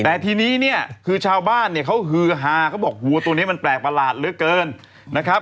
แต่ทีนี้เนี่ยคือชาวบ้านเนี่ยเขาฮือฮาเขาบอกวัวตัวนี้มันแปลกประหลาดเหลือเกินนะครับ